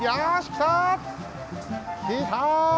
きた！